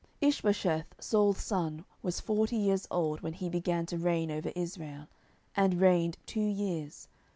10:002:010 Ishbosheth Saul's son was forty years old when he began to reign over Israel, and reigned two years.